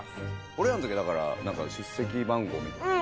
俺らの時はだからなんか出席番号みたいなね。